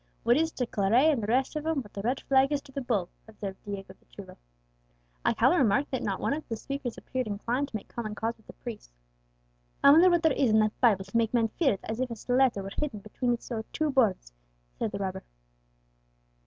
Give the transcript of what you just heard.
"What is to Claret and the rest of 'em what the red flag is to the bull," observed Diego the chulo. Alcala remarked that not one of the speakers appeared inclined to make common cause with the priests. "I wonder what there is in that Bible to make men fear it as if a stiletto were hidden between its two boards!" said the robber.